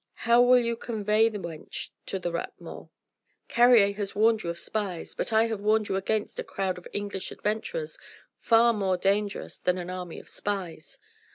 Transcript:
How will you convey the wench to the Rat Mort? Carrier has warned you of spies but I have warned you against a crowd of English adventurers far more dangerous than an army of spies.